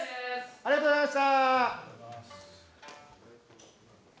ありがとうございます。